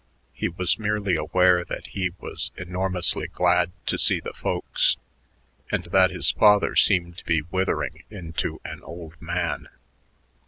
He was merely aware that he was enormously glad to see the "folks" and that his father seemed to be withering into an old man.